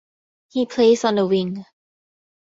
He plays on the wing.